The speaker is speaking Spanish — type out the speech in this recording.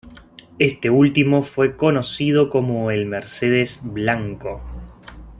Este último fue conocido como el "Mercedes Blanco".